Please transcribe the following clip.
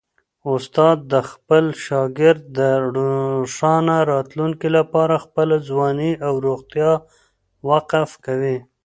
استاد د خپل شاګرد د روښانه راتلونکي لپاره خپله ځواني او روغتیا وقف کوي.